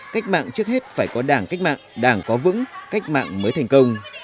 cách mạng trước hết phải có đảng cách mạng đảng có vững cách mạng mới thành công